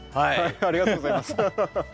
ありがとうございます。